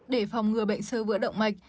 để phòng ngừa bệnh sơ vữa động mạch